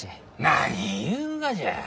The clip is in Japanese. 何言いゆうがじゃ！